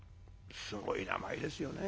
すごい名前ですよね。